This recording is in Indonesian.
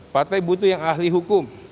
partai butuh yang ahli hukum